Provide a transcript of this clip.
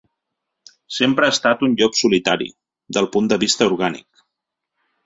Sempre ha estat un ‘llop solitari’, del punt de vista orgànic.